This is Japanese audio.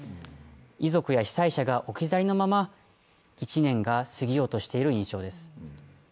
遺族や被災者が置き去りのまま１年がすぎようとしている印象です。